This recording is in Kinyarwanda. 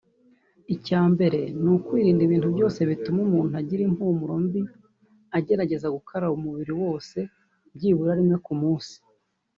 Icyambere ni ukwirinda ibintu byose bituma umuntu agira impumuro mbi agerageza gukaraba umubiri wose byibura rimwe ku munsi